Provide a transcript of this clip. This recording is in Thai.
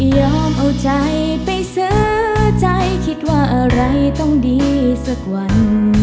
เอาใจไปซื้อใจคิดว่าอะไรต้องดีสักวัน